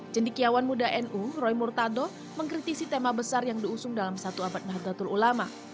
cendikiawan muda nu roy murtado mengkritisi tema besar yang diusung dalam satu abad nahdlatul ulama